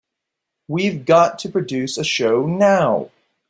We've got to produce a show now.